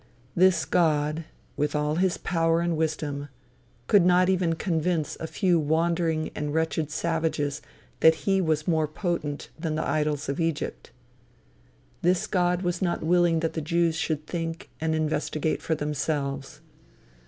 This God, with all his power and wisdom, could not even convince a few wandering and wretched savages that he was more potent than the idols of Egypt. This God was not willing that the Jews should think and investigate for themselves.